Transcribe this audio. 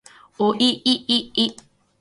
おいいい